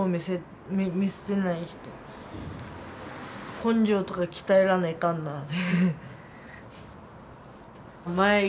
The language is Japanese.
根性とか鍛えらんないかんなって。